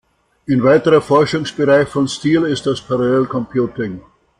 Ein weiterer Forschungsbereich von Steele ist das Parallel Computing.